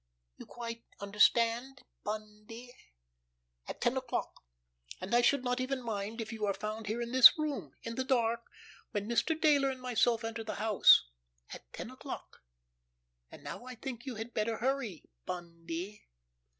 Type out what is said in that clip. You quite understand, Bundy? At ten o'clock! And I should not even mind if you are found here in this room—in the dark—when Mr. Dayler and myself enter the house—at ten o'clock. And now I think you had better hurry, Bundy."